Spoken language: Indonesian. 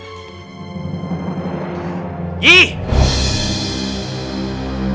tentunya bisa membuat harga diri lo dan gengsi lo lebih tinggi